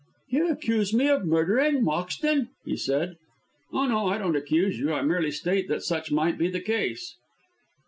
"You accuse me of murdering Moxton?" he said. "Oh, no, I don't accuse you, I merely state that such might be the case."